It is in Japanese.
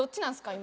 今。